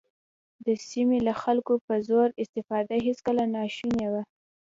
د سیمې له خلکو په زور استفاده هېڅکله ناشونې وه.